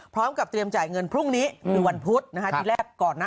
พร้อมกับเตรียมจ่ายเงินพรุ่งนี้คือวันพุธที่แรกก่อนนะ